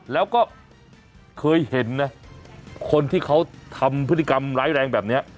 แล้วก็เคยเห็นนะคนที่เขาทำพฤติกรรมร้ายแรงแบบนี้